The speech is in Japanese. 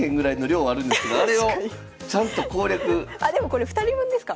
あでもこれ２人分ですから。